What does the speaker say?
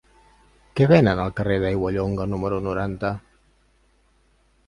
Què venen al carrer d'Aiguallonga número noranta?